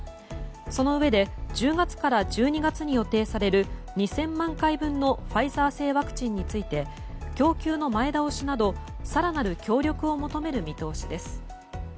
そのうえで１０月から１２月に予定される２０００万回分のファイザー製ワクチンについて供給の前倒しなど更なる協力を求める見通しです。